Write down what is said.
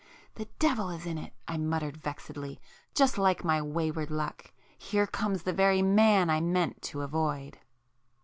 "The devil is in it!" I muttered vexedly—"Just like my wayward luck!—here comes the very man I meant to avoid!"